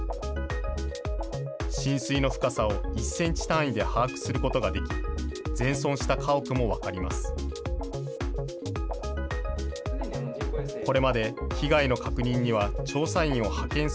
浸水の深さを１センチ単位で把握することができ、全損した家屋も分かります。